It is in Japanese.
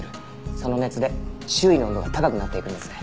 その熱で周囲の温度が高くなっていくんですね。